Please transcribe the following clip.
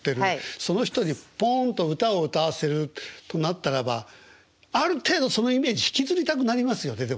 その人にポンと歌を歌わせるとなったらばある程度そのイメージ引きずりたくなりますよねでもね。